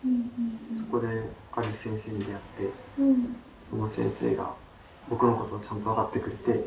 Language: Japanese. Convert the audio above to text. そこである先生に出会ってその先生が僕のことちゃんと分かってくれて。